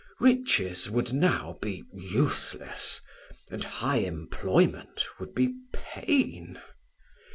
Riches would now be useless, and high employment would be pain.